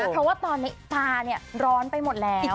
เพราะว่าตอนนี้ตาร้อนไปหมดแล้ว